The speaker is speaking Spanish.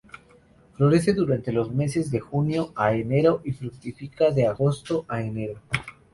Florece durante los meses de junio a enero y fructifica de agosto a enero.